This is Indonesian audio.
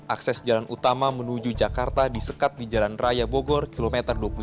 akses jalan utama menuju jakarta disekat di jalan raya bogor kilometer dua puluh satu